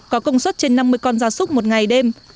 có công suất trên năm mươi con ra sốc một ngày đêm